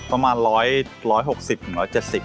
ประมาณ๑๖๐๑๗๐นาที